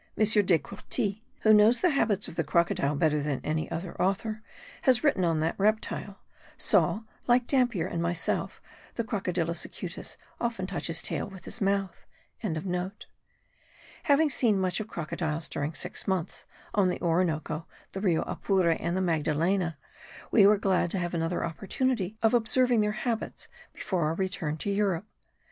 Descourtils, who knows the habits of the crocodile better than any other author who has written on that reptile, saw, like Dampier and myself, the Crocodilus acutus often touch his tail with his mouth.) Having seen much of crocodiles during six months, on the Orinoco, the Rio Apure and the Magdalena, we were glad to have another opportunity of observing their habits before our return to Europe.